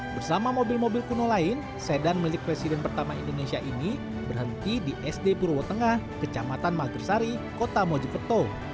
bersama mobil mobil kuno lain sedan milik presiden pertama indonesia ini berhenti di sd purwo tengah kecamatan magersari kota mojokerto